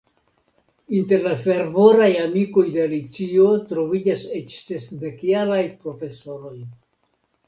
Inter la fervoraj amikoj de Alicio troviĝas eĉ sesdekjaraj profesoroj.